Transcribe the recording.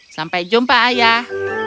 sampai jumpa ayah